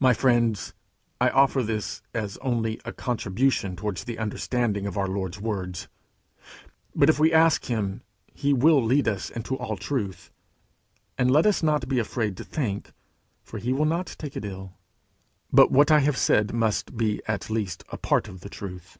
My friends, I offer this as only a contribution towards the understanding of our Lord's words. But if we ask him, he will lead us into all truth. And let us not be afraid to think, for he will not take it ill. But what I have said must be at least a part of the truth.